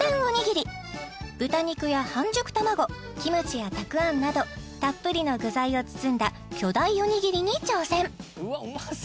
おにぎり豚肉や半熟卵キムチや沢庵などたっぷりの具材を包んだ巨大おにぎりに挑戦！